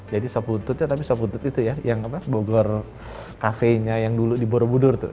jadi sop bututnya tapi sop butut itu ya yang bogor cafe nya yang dulu di borobudur tuh